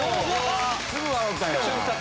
すぐ笑うたやん。